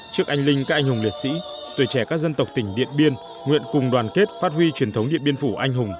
trước anh linh các anh hùng liệt sĩ tuổi trẻ các dân tộc tỉnh điện biên nguyện cùng đoàn kết phát huy truyền thống điện biên phủ anh hùng